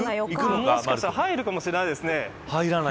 もしかしたら入るかもしれないですね。